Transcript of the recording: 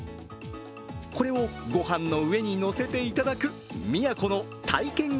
これをご飯の上に乗せていただく宮古の体験型